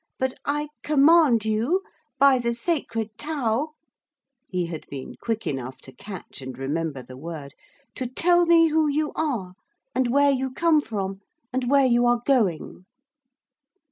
But I command you, by the Sacred Tau' (he had been quick enough to catch and remember the word), 'to tell me who you are, and where you come from, and where you are going.'